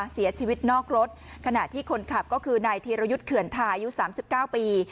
เสียชีวิตนอกรถขณะที่คนขับก็คือนายเทรยุดเขื่อนทาอายุสามสิบเก้าปี